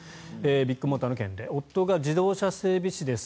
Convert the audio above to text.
ビッグモーターの件で夫が自動車整備士です。